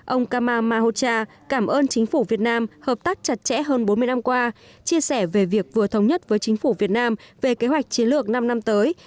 ông kamal mahocha cảm ơn chính phủ việt nam hợp tác chặt chẽ hơn bốn mươi năm qua chia sẻ về việc vừa thống nhất với chính phủ việt nam về kế hoạch chiến lược năm năm tới hai nghìn một mươi bảy hai nghìn hai mươi một